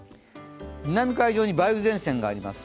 南海上に梅雨前線があります。